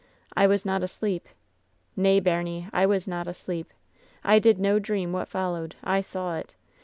I was not asleep. Nay, baimie, I was not asleep. I did no dream what followed. I saw it.